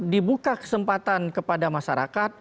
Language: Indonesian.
dibuka kesempatan kepada masyarakat